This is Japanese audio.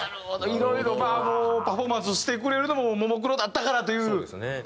いろいろパフォーマンスしてくれるのもももクロだったからという。